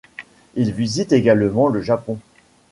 Il visite également le Japon.